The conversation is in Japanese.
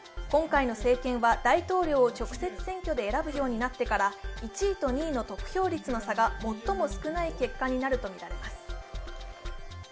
今回の選挙は大統領を直接選挙で選ぶようになってから１位と２位の得票率の差が最も少ない結果になるとみられます。